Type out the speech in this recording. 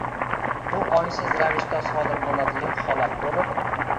Bu ongsiz ravishda sodir bo‘ladigan holat bo‘lib